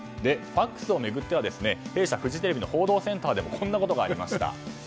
ＦＡＸを巡っては弊社フジテレビの報道センターでもこんなことがありました。